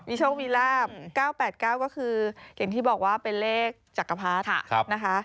มีโชคมีลาบ๙๘๙ก็คืออย่างที่บอกว่าเป็นเลขจักรพรรดินะคะ